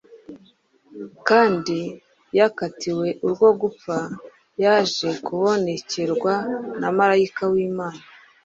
kandi yakatiwe urwo gupfa, yaje kubonekerwa na marayika w’Imana